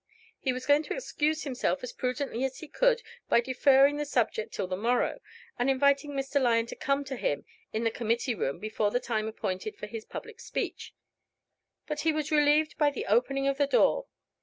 He was going to excuse himself as prudently as he could, by deferring the subject till the morrow, and inviting Mr. Lyon to come to him in the committee room before the time appointed for his public speech; but he was relieved by the opening of the door.